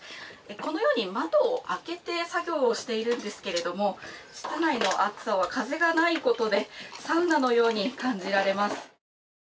このように窓を開けて作業をしているんですけれども室内の暑さは風がないことでサウナのように感じられます。